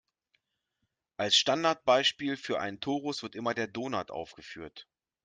Als Standardbeispiel für einen Torus wird immer der Donut aufgeführt.